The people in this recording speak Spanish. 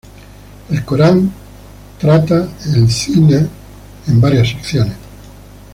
El Corán trata el zina en varias secciones.